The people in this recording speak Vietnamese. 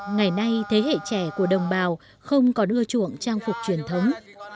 ngày nay thế hệ trẻ của đồng bào không còn ưa chuộng trang phục truyền thống